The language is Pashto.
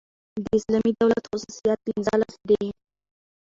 د اسلامي دولت خصوصیات پنځلس دي.